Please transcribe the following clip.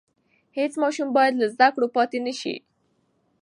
هېڅ ماشوم بايد له زده کړو پاتې نشي.